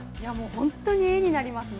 本当に絵になりますね。